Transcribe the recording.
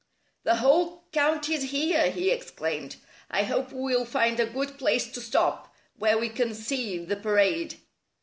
"The whole county's here!" he exclaimed. "I hope we'll find a good place to stop, where we can see the parade."